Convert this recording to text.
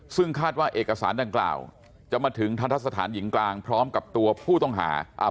ซึ่งคาดว่าเอกสารดังกล่าวจะมาถึงทันทะสถานหญิงกลางพร้อมกับตัวผู้ต้องหา